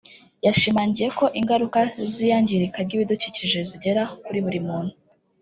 yashimangiye ko ingaruka z’iyangirika ry’ibidukikije zigera kuri buri muntu